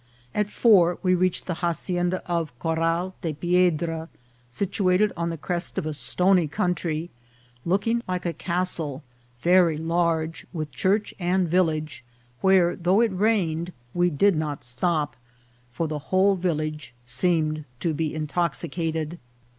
At four we reached the hacienda of Coral de Piedra, situated on the crest of a stony country, looking like a castle, very large, with a church and village, where, although it rained, we did not stop, for the whole village seemed to be intoxicated.